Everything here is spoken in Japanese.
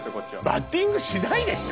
バッティングしないでしょ？